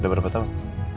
udah berapa tahun